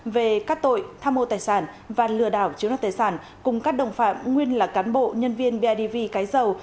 về các tội tham mô tài sản và lừa đảo chiếu đoạt tài sản cùng các đồng phạm nguyên là cán bộ nhân viên bidv cái dầu